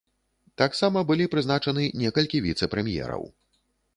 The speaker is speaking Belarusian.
Таксама былі прызначаны некалькі віцэ-прэм'ераў.